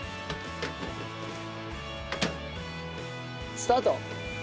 スタート！